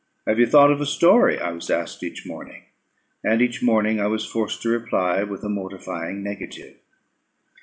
Have you thought of a story? I was asked each morning, and each morning I was forced to reply with a mortifying negative.